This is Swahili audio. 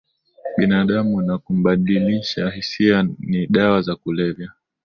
binadamu na kumbadilisha hisia ni dawa za kulevya